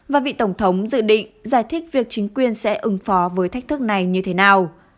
và vị tổng thống dự định giải thích việc chính quyền sẽ ứng phó với thách thức này như thế nào